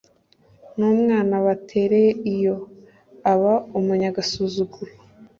n'umwana batereye iyo, aba umunyagasuzuguro